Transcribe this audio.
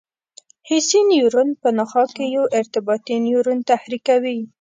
حسي نیورون په نخاع کې یو ارتباطي نیورون تحریکوي.